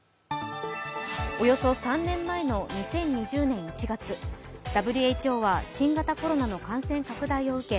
およそ３年前の２０２０年１月、ＷＨＯは新型コロナの感染拡大を受け